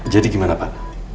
jadi gimana pak